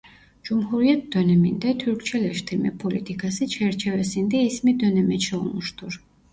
Cumhuriyet döneminde Türkçeleştirme politikası çerçevesinde ismi Dönemeç olmuştur.